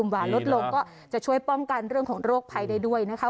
เครื่องดื่มหวานลดลงก็จะช่วยปลอมกันเรื่องของโรคภัยได้ด้วยนะคะ